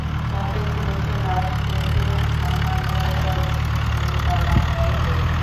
রাতে ঝুলন্ত লাশ দেখে আমার দরজা ভেঙে তার লাশ বের করি।